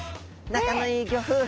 仲のいいギョ夫婦。